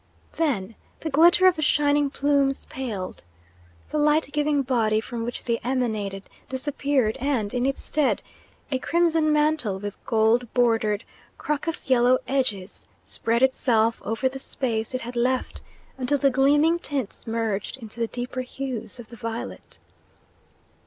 Then the glitter of the shining plumes paled. The light giving body from which they emanated disappeared and, in its stead, a crimson mantle, with gold bordered, crocus yellow edges, spread itself over the space it had left until the gleaming tints merged into the deeper hues of the violet.